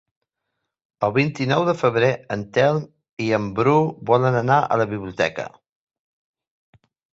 El vint-i-nou de febrer en Telm i en Bru volen anar a la biblioteca.